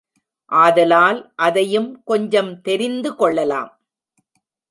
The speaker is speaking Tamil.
ஆதலால் அதையும் கொஞ்சம் தெரிந்து கொள்ளலாம்.